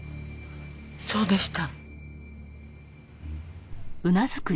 そうでした。